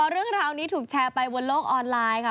เรื่องราวนี้ถูกแชร์ไปบนโลกออนไลน์ค่ะ